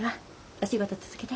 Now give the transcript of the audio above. お仕事続けて。